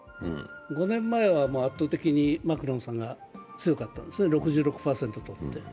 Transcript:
５年前は圧倒的にマクロンさんが強かったんですね、６６％と。